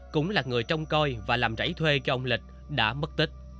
cũng là người trông coi và làm rảy thuê cho ông lịch đã mất tích